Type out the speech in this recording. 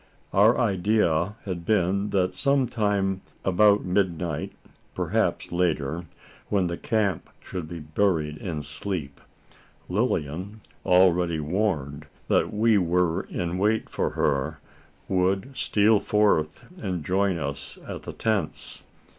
Our idea had been that some time about midnight perhaps later when the camp should be buried in sleep Lilian, already warned that we were in wait for her, would steal forth and join us at the tents.